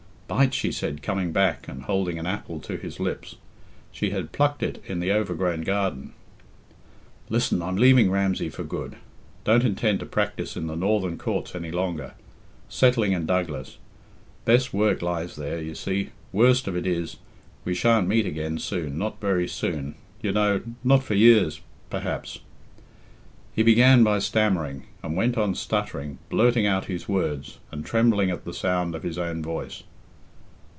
"Bite!" she said, coming back and holding an apple to his lips. She had plucked it in the overgrown garden. "Listen! I'm leaving Ramsey for good don't intend to practise in the northern courts any longer settling in Douglas best work lies there, you see worst of it is we shan't meet again soon not very soon, you know not for years, perhaps " He began by stammering, and went on stuttering, blurting out his words, and trembling at the sound of his own voice.